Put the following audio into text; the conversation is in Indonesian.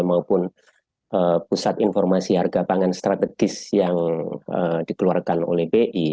maupun pusat informasi harga pangan strategis yang dikeluarkan oleh bi